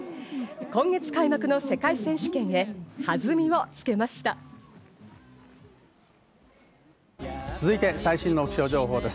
今月開幕の世界選手権へ弾みをつけまし最新の気象情報です。